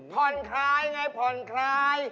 ผ่อนคลายไงผ่อนคลาย